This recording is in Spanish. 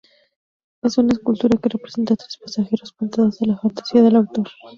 Es una escultura que representa a tres pasajeros pintados a la fantasía del autor.